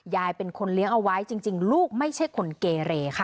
ยายเป็นคนเลี้ยงเอาไว้จริงลูกไม่ใช่คนเกเรค่ะ